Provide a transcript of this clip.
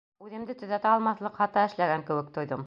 Үҙемде төҙәтә алмаҫлыҡ хата эшләгән кеүек тойҙом.